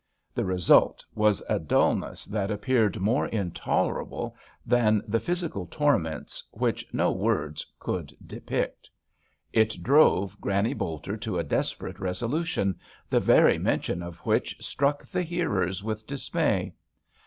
The result was a dulness that appeared more intolerable than the physical torments which no words could depict. It drove Granny Bolter to a desperate resolution, the very mention of which struck the hearers with dismay.